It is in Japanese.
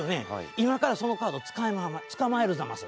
今からそのカードつかまえるザマス。